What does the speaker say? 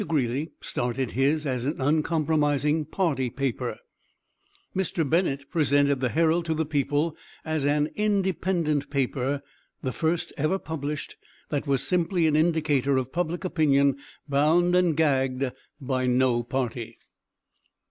Greeley started his as an uncompromising party paper; Mr. Bennett presented the Herald to the people as an independent paper, the first ever published that was simply an indicator of public opinion bound and gagged by no party.